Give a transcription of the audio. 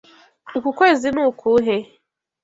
Uku kwezi ni ukuhe?